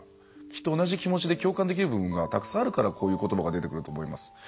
きっと同じ気持ちで共感できる部分がたくさんあるからこういう言葉が出てくると思います。